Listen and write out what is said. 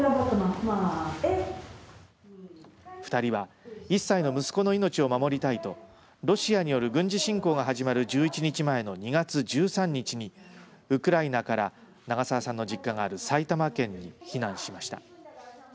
２人は１歳の息子の命を守りたいとロシアによる軍事侵攻が始まる１１日前の２月１３日にウクライナから長澤さんの実家がある埼玉県に避難しました。